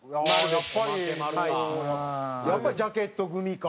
やっぱりジャケット組か。